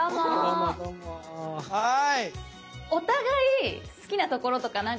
はい。